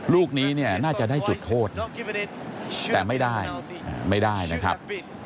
ลูกนี้เนี่ยน่าจะได้จุดโทษแต่ไม่ได้ไม่ได้นะครับ